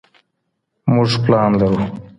موږ پلان لرو